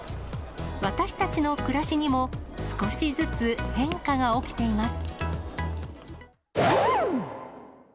私たちの暮らしにも少しずつ変化が起きています。